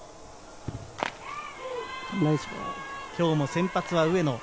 今日も先発は上野。